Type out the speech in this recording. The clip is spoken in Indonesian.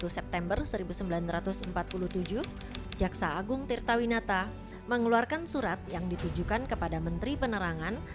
satu september seribu sembilan ratus empat puluh tujuh jaksa agung tirtawinata mengeluarkan surat yang ditujukan kepada menteri penerangan